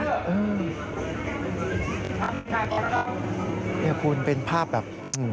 เนี่ยคุณเป็นภาพแบบ